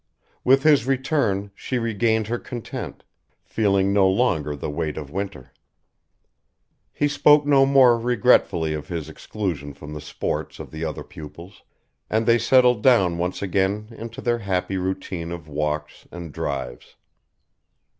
With his return she regained her content, feeling no longer the weight of winter. He spoke no more regretfully of his exclusion from the sports of the other pupils and they settled down once again into their happy routine of walks and drives.